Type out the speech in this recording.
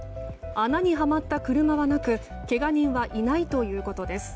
穴にはまった車はなくけが人はいないということです。